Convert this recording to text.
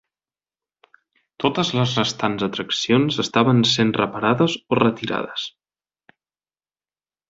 Totes les restants atraccions estaven sent reparades o retirades.